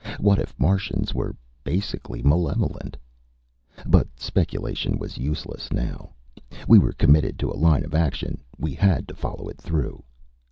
What if Martians were basically malevolent? But speculation was useless now. We were committed to a line of action. We had to follow it through.